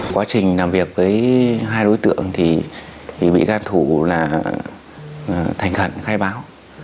quá trình làm việc với hai đối tượng thì bị gạt thủ là thành hẳn khai báo